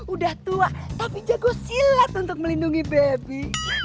udah tua tapi jago silat untuk melindungi baby